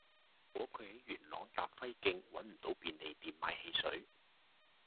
如果佢喺元朗達輝徑搵唔到便利店買汽水